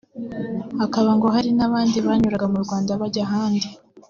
hakaba ngo hari n’abandi banyuraga mu Rwanda bajya ahandi